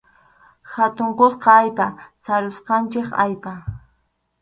Hatun kuska allpa, sarusqanchik allpa.